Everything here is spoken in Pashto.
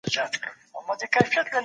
دا ویټامن عضلات پیاوړي کوي.